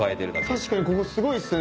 確かにここすごいっすね。